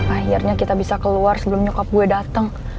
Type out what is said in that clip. akhirnya kita bisa keluar sebelum nyokap gue datang